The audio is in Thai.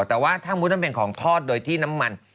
แต่ว่าถ้ามุติมันเป็นของทอดโดยที่น้ำมัน